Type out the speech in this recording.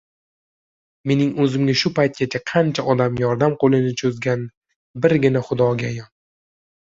Mening oʻzimga shu paytgacha qancha odam yordam qoʻlini choʻzganbirgina Xudoga ayon